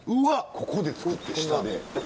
ここで作ってる下でこれ。